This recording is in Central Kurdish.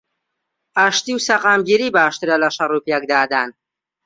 ئاشتی و سەقامگیری باشترە لەشەڕ و پێکدادان